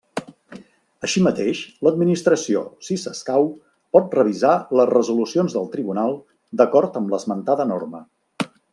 Així mateix, l'administració, si s'escau, pot revisar les resolucions del tribunal, d'acord amb l'esmentada norma.